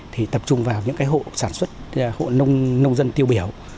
thì tập trung vào những cái hộ sản xuất hộ nông dân tiêu biểu